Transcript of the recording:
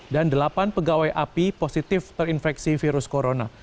dan delapan pegawai api positif terinfeksi virus corona